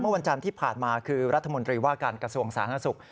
วันจันทร์ที่ผ่านมาคือรัฐมนตรีว่าการกระทรวงสาธารณสุข